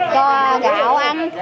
cho gạo ăn